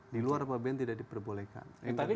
di luar apbn tidak diperbolehkan